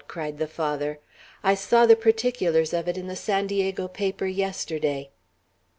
cried the Father. "I saw the particulars of it in the San Diego paper yesterday."